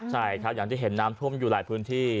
ใช่ครับอย่างที่เห็นน้ำท่วมอยู่หลายพื้นที่